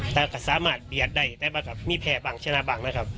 แต่ก็สามารถเบียดได้แต่ว่าก็มีแผลบ้างชนะบ้างนะครับ